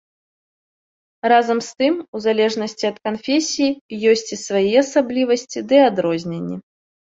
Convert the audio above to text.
Разам з тым, у залежнасці ад канфесіі, ёсць і свае асаблівасці ды адрозненні.